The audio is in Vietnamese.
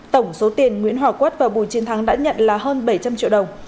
tổng số tiền nguyễn hòa quất và bùi chiến thắng đã nhận là hơn bảy trăm linh triệu đồng